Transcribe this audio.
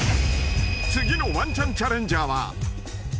［次のワンチャンチャレンジャーは］